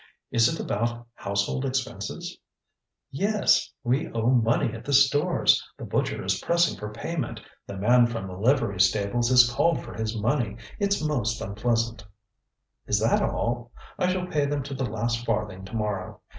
Is it about household expenses? ŌĆØ ŌĆ£Yes! We owe money at the stores! The butcher is pressing for payment; the man from the livery stables has called for his money; itŌĆÖs most unpleasant. ŌĆØ ŌĆ£Is that all? I shall pay them to the last farthing to morrow.